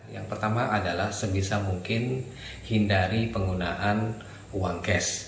yang pertama adalah sebisa mungkin hindari penggunaan uang cash